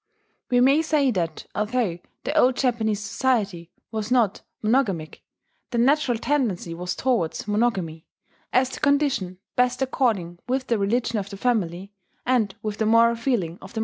We may say that, although the old Japanese society was not monogamic, the natural tendency was towards monogamy, as the condition best according with the religion of the family, and with the moral feeling of the masses.